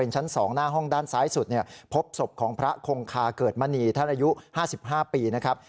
ท่านอายุ๕๕ปีนะครับ